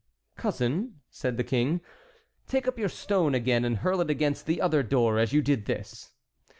"Cousin," said the King, "take up your stone again and hurl it against the other door as you did at this."